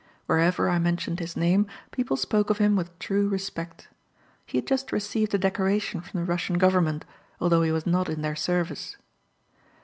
Wherever I mentioned his name, people spoke of him with true respect. He had just received a decoration from the Russian government, although he was not in their service.